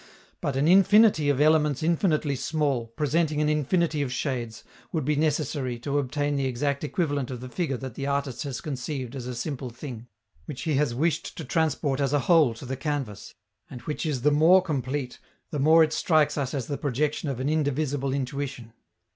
But an infinity of elements infinitely small, presenting an infinity of shades, would be necessary to obtain the exact equivalent of the figure that the artist has conceived as a simple thing, which he has wished to transport as a whole to the canvas, and which is the more complete the more it strikes us as the projection of an indivisible intuition.